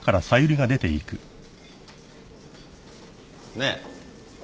ねえ？